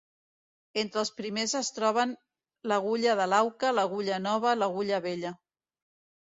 Entre els primers es troben l'Agulla de l'Auca, l'Agulla Nova i l'Agulla Vella.